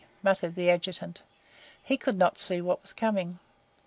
muttered the Adjutant. He could not see what was coming.